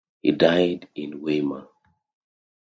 He died in Weimar.